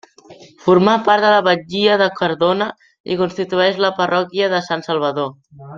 Formà part de la Batllia de Cardona i constitueix la parròquia de Sant Salvador.